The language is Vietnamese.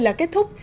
là kết thúc